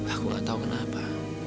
aku gak tau kenapa